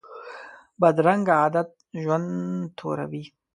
بدرنګه عادت ژوند توروي